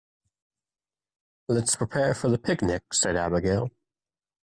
"Let's prepare for the picnic!", said Abigail.